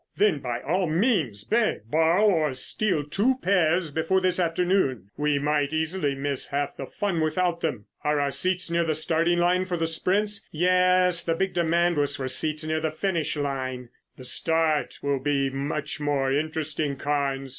"Then by all means beg, borrow or steal two pairs before this afternoon. We might easily miss half the fun without them. Are our seats near the starting line for the sprints?" "Yes. The big demand was for seats near the finish line." "The start will be much more interesting, Carnes.